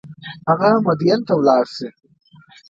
هغه مدین ته ولاړ شي.